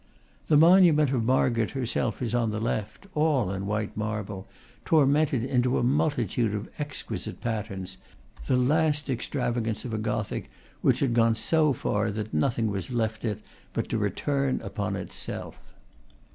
The monu ment of Margaret herself is on the left, all in white merble, tormented into a multitude of exquisite pat terns, the last extravagance of a Gothic which had gone so far that nothing was left it but to return upon itself.